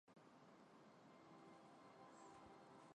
蟑螂是一种有着亿万年演化历史的杂食性昆虫。